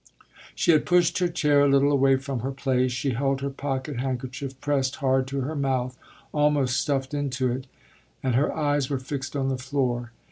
She had pushed her chair a little away from her place; she held her pocket handkerchief pressed hard to her mouth, almost stuffed into it, and her eyes were fixed on the floor.